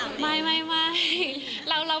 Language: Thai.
ดองเข้าไปตามนี้หรือเปล่า